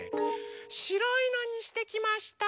しろいのにしてきました。